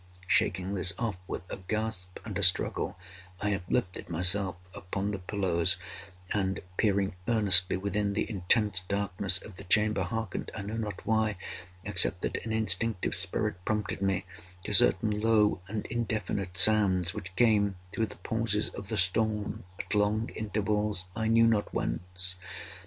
Shaking this off with a gasp and a struggle, I uplifted myself upon the pillows, and, peering earnestly within the intense darkness of the chamber, harkened—I know not why, except that an instinctive spirit prompted me—to certain low and indefinite sounds which came, through the pauses of the storm, at long intervals, I knew not whence.